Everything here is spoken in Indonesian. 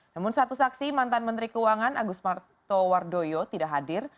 namun satu saksi mantan menteri keuangan agus martowardoyo tidak hadir